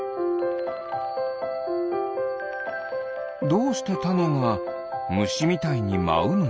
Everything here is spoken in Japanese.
どうしてタネがムシみたいにまうの？